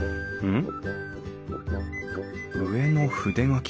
うん。